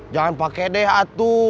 jangan pakai deh atu